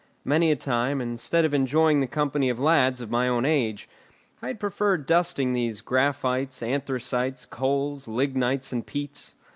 Many a time, instead of enjoying the company of lads of my own age, I had preferred dusting these graphites, anthracites, coals, lignites, and peats!